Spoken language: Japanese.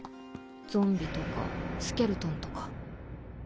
ゾンビとかスケルトンとか。